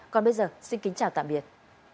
còn bây giờ xin kính chào tạm biệt